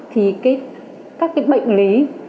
thì các cái bệnh lý